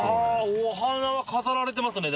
「お花は飾られてますね」